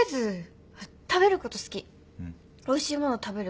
おいしいもの食べることと。